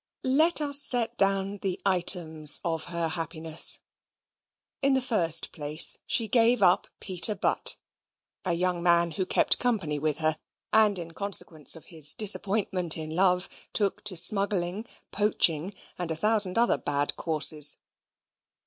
Let us set down the items of her happiness. In the first place, she gave up Peter Butt, a young man who kept company with her, and in consequence of his disappointment in love, took to smuggling, poaching, and a thousand other bad courses.